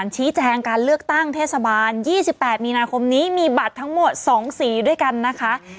ชี้แจงการเลือกตั้งเทศบาล๒๘มีนาคมนี้มีบัตรทั้งหมด๒สีด้วยกันนะคะ